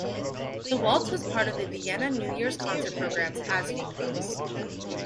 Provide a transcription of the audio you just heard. The waltz was part of the Vienna New Year's Concert programmes as follows.